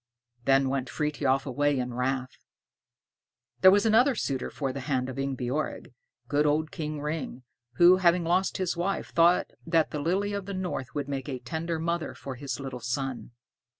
Then went Frithiof away in wrath. There was another suitor for the hand of Ingebjorg, good old King Ring, who, having lost his wife, thought that the Lily of the North would make a tender mother for his little son.